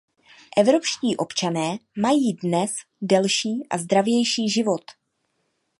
Evropští občané mají dnes delší a zdravější život.